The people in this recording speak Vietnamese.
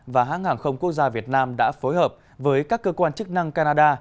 và hãng hàng không quốc gia việt nam đã phối hợp với các cơ quan chức năng canada